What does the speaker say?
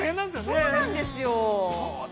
◆そうなんですよ。